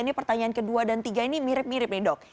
ini pertanyaan kedua dan tiga ini mirip mirip nih dok